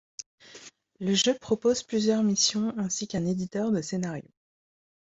Le jeu propose plusieurs missions ainsi qu’un éditeur de scénario.